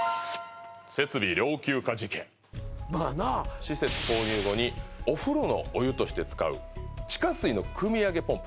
施設購入後にお風呂のお湯として使う地下水のくみ上げポンプ